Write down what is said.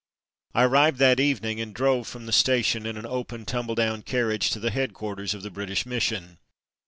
I arrived that evening, and drove from the station in an open, tumble down carriage to the headquarters of the British Mission.